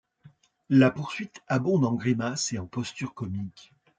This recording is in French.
La poursuite abonde en grimaces et en postures comiques.